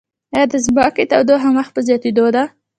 ایا د ځمکې تودوخه مخ په زیاتیدو ده؟